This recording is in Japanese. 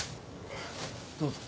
どうぞ。